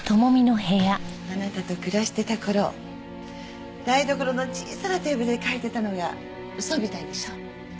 あなたと暮らしてた頃台所の小さなテーブルで書いてたのが嘘みたいでしょ？